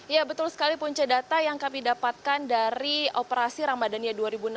ya betul sekali punca data yang kami dapatkan dari operasi ramadhania dua ribu enam belas